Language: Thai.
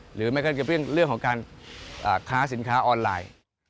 หรือไม่ก็จะเป็นเรื่องของการค้าสินค้าออนไลน์